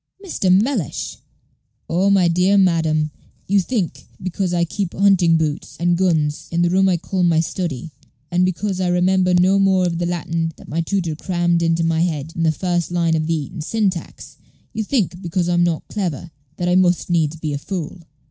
"Mr. Mellish!" "Oh, my dear madam, you think because I Page 147 keep hunting boots and guns in the room I call my study, and because I remember no more of the Latin that my tutor crammed into my head than the first line of the Eton Syntax you think, because I'm not clever, that I must needs be a fool.